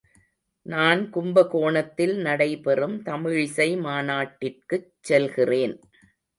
நான் கும்பகோணத்தில் நடைபெறும் தமிழிசை மாநாட்டிற்குச் செல்கிறேன்.